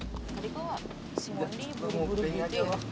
tadi kok si mondi buru buru gitu ya